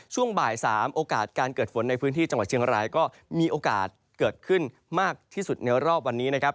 ช่วงบ่าย๓โอกาสการเกิดฝนในพื้นที่จังหวัดเชียงรายก็มีโอกาสเกิดขึ้นมากที่สุดในรอบวันนี้นะครับ